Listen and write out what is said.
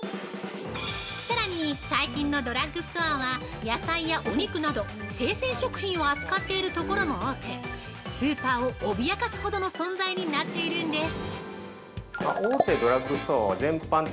◆さらに最近のドラッグストアは野菜やお肉など生鮮食品を扱っているところも多くスーパーを脅かすほどの存在になっているんです！